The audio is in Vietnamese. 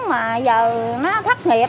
mà giờ nó thất nghiệp